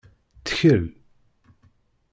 Ttkel.